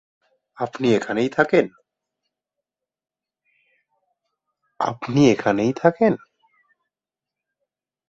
আপনি এখানেই থাকেন?